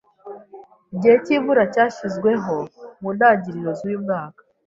Igihe cyimvura cyashyizweho mu ntangiriro zuyu mwaka.